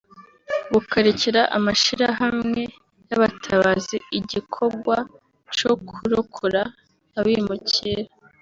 bukarekera amashirahamwe y'abatabazi igikogwa co kurokora abimukira